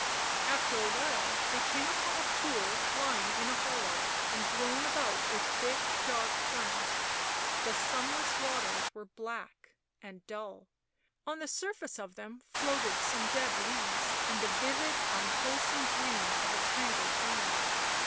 After a while they came upon a pool lying in a hollow and grown about with thick, dark ferns; the sunless waters were black and dull, on the surface of them floated some dead leaves and the vivid unwholesome green of a tangled weed.